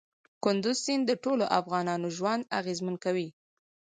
کندز سیند د ټولو افغانانو ژوند اغېزمن کوي.